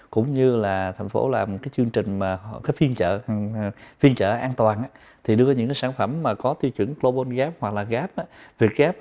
cũng như là thành phố làm cái chương trình phiên chợ an toàn thì đưa những cái sản phẩm mà có tiêu chuẩn global gap hoặc là gap